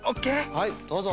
はいどうぞ。